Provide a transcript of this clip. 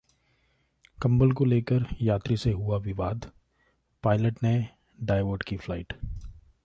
कंबल को लेकर यात्री से हुआ विवाद, पायलट ने डायवर्ट की फ्लाइट